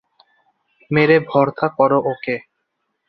মেরে ভর্তা করো ওকে।